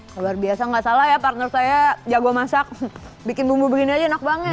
luar biasa nggak salah ya partner saya jago masak bikin bumbu begini aja enak banget